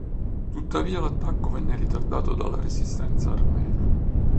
Tuttavia l'attacco venne ritardato dalla resistenza armena.